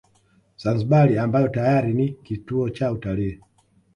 Zanzibar ambayo tayari ni kituo cha utalii